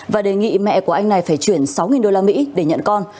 và đề nghị mẹ của anh này phải chuyển sáu usd để nhận con